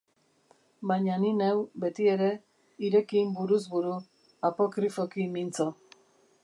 Baina ni neu, beti ere, hirekin buruz buru, apokrifoki mintzo.